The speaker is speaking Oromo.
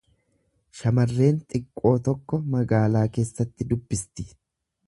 Shamarreen xiqqoo tokko magaalaa keessatti dubbisti.